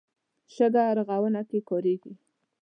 شګه رغونه کې کارېږي.